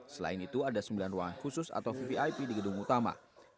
selain itu ada sembilan ruangan khusus atau vvip di gedung utama